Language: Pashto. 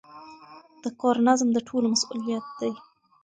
د کور نظم د ټولو مسئولیت دی.